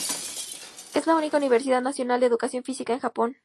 Es la única universidad nacional de educación física en Japón.